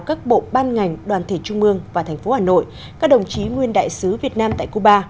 các bộ ban ngành đoàn thể trung mương và thành phố hà nội các đồng chí nguyên đại sứ việt nam tại cuba